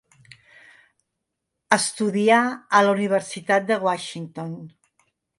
Estudià a la Universitat de Washington.